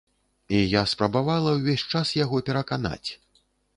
І я спрабавала ўвесь час яго пераканаць.